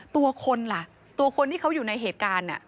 ตัวคนล่ะตัวคนที่เขาอยู่ในเหตุการณ์